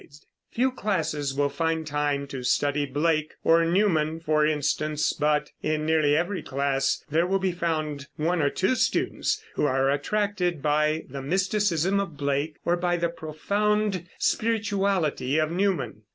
Few classes will find time to study Blake or Newman, for instance; but in nearly every class there will be found one or two students who are attracted by the mysticism of Blake or by the profound spirituality of Newman.